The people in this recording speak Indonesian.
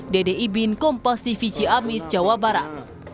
dede ibin kompas tv ciamis jawa barat